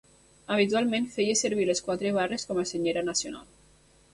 Habitualment feia servir les quatre barres com a senyera nacional.